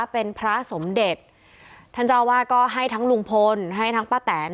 เป็นพระสมเด็จท่านเจ้าวาดก็ให้ทั้งลุงพลให้ทั้งป้าแตน